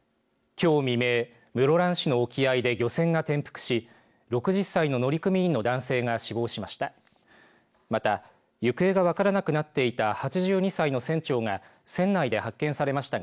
きょう未明室蘭市の沖合で漁船が転覆し６０歳の乗組員の男性が死亡しました。